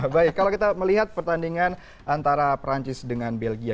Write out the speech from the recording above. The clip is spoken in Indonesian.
baik kalau kita melihat pertandingan antara perancis dengan belgia